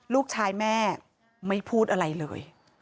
ลูกชายแม่ไม่พูดอะไรเลย